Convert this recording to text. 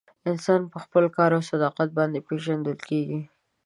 انسان په خپل کار او صداقت باندې پیژندل کیږي.